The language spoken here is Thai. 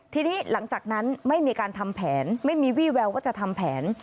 ทีนี้หลังจากนั้นไม่มีการทำแผนไม่มีวี่แววว่าจะทำแผน